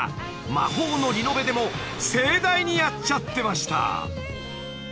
『魔法のリノベ』でも盛大にやっちゃってました］